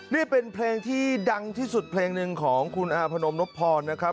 นี่เป็นเพลงที่ดังที่สุดเพลงหนึ่งของคุณอาพนมนพพรนะครับ